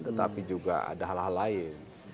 tetapi juga ada hal hal lain